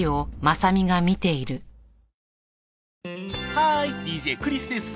ハーイＤＪクリスです！